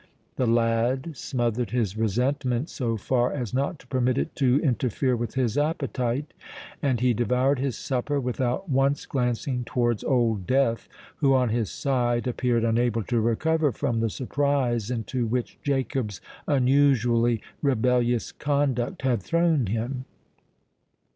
The lad smothered his resentment so far as not to permit it to interfere with his appetite; and he devoured his supper without once glancing towards Old Death, who on his side appeared unable to recover from the surprise into which Jacob's unusually rebellious conduct had thrown him.